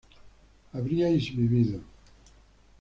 habríais vivido